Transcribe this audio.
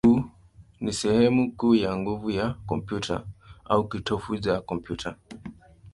ni sehemu kuu ya nguvu ya kompyuta, au kitovu cha kompyuta.